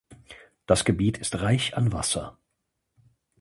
Das Gebiet ist reich an Wasser.